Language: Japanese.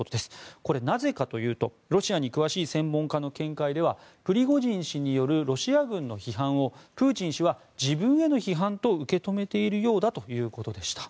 これ、なぜかというとロシアに詳しい専門家の見解ではプリゴジン氏によるロシア軍の批判をプーチン氏は自分への批判と受け止めているようだということでした。